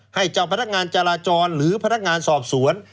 ให้เจ้าพนักงานจราจรหรือพนักงานสอบสวน